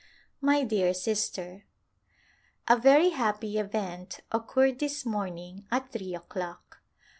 My dear Sister : A very happy event occurred this morning at three o'clock.